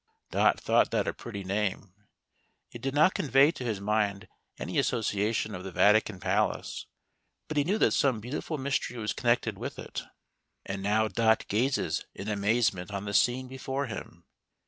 Dot thought that a pretty name ; it did not convey to his mind any association of the Vatican palace, but he knew that some beautiful mystery was connected with it. And now Dot gazes in amazement on the scene before him.